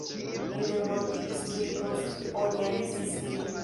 Li memmortigis tuj post oni arestis lin.